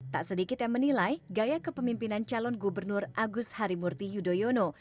tak sedikit yang menilai gaya kepemimpinan calon gubernur agus harimurti yudhoyono